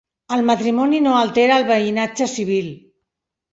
El matrimoni no altera el veïnatge civil.